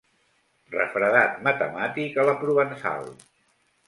Refredat matemàtic a la provençal.